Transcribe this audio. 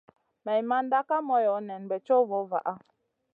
Maimanda Kay moyo nen bey co vo vaha.